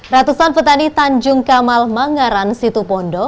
ratusan petani tanjung kamal manggaran situ pondo